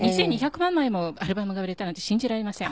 ２２００万枚もアルバムが売れたなんて信じられません。